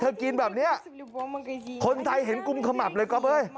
แต่เธอกินแบบนี้คนไทยเห็นกุมขมับเลยก๊อบ